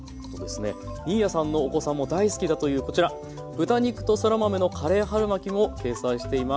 新谷さんのお子さんも大好きだというこちら豚肉とそら豆のカレー春巻も掲載しています。